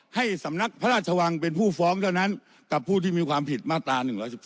ให้สำนักพระราชวังเป็นผู้ฟ้องเท่านั้นกับผู้ที่มีความผิดมาตรา๑๑๒